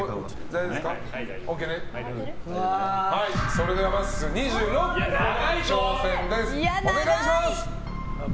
それでは、まっすー２６個の挑戦です。